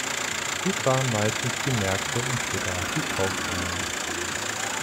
Dies waren meistens die Märkte und später auch die Kaufhallen.